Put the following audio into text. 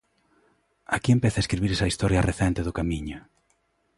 Aquí empeza a escribirse a historia recente do Camiño.